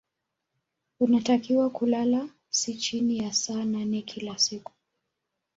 Unatakiwa kulala si chini ya saa nane kila siku